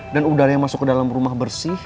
dan udara yang masuk ke dalam rumah bersih